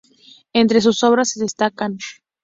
Entre sus obras se destacan